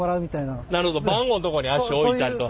なるほど番号のとこに足置いたりと。